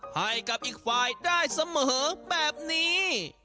ให้กับอีกฝ่ายได้เสมอแบบนี้